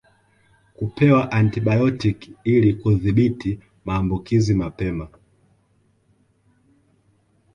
Kupewa antibayotiki ili kudhibiti maambukizi mapema